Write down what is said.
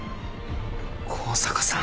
向坂さん。